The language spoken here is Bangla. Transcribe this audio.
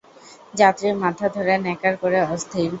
যাত্রীরা মাথা ধরে ন্যাকার করে অস্থির।